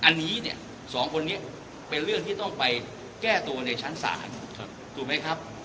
อันนี้เนี่ยสองคนนี้เป็นเรื่องที่ต้องไปแก้ตัวในชั้นศาลถูกไหมครับ